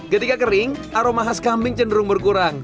ketika kering aroma khas kambing cenderung berkurang